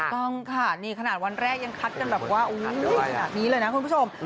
ต้องค่ะนี่ขนาดวันแรกยังคัดกันแบบว่าขนาดนี้เลยนะคุณผู้ชม